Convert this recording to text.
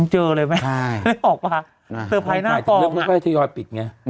ใช่